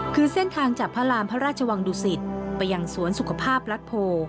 คือเส้นทางจากพระรามพระราชวังดุสิตไปยังสวนสุขภาพรัฐโพ